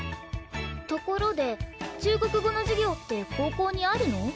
ところで中国語の授業って高校にあるの？